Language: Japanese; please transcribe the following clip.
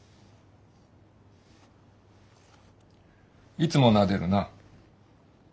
いつもなでるな。